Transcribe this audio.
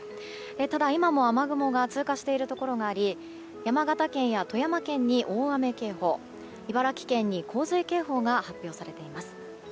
ただ、今も雨雲が通過しているところがあり山形県や富山県に大雨警報茨城県に洪水警報が発表されています。